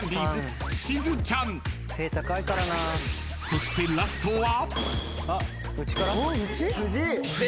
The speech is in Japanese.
［そしてラストは］